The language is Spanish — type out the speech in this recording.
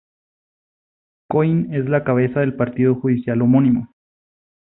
Coín es la cabeza del partido judicial homónimo.